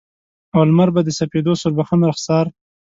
او لمر به د سپیدو سوربخن رخسار